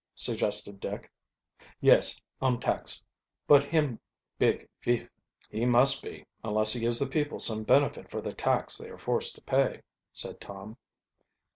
suggested Dick. "Yes, um tax. But him big Vief." "He must be, unless he gives the people some benefit for the tax they are forced to pay," said Tom.